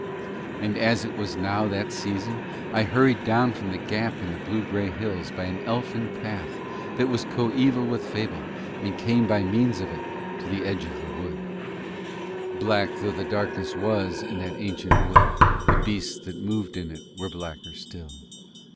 And as it was now that season I hurried down from the gap in the blue grey hills by an elfin path that was coeval with fable, and came by means of it to the edge of the wood. Black though the darkness was in that ancient wood the beasts that moved in it were blacker still.